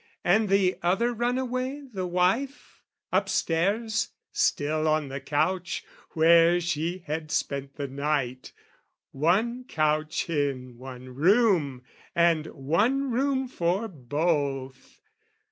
And the other runaway, the wife? Upstairs, Still on the couch where she had spent the night, One couch in one room, and one room for both.